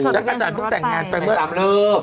จักรจันทร์เพิ่งแต่งงานไปแต่งตามเลิก